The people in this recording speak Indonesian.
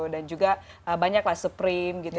dan juga banyak lah supreme gitu